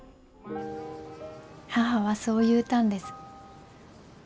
母はそう言うたんです。